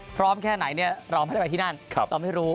พร้อมแค่ไหนเราไม่ได้ไปที่นั่นเราไม่รู้